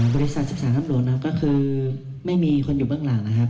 บริษัท๑๓ทับหลวงนะครับก็คือไม่มีคนอยู่เบื้องหลังนะครับ